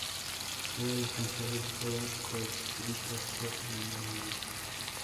Todas las canciones fueron coescritas por Minogue.